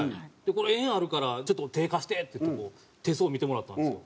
「これ縁あるからちょっと手貸して」って言ってこう手相見てもらったんですよ。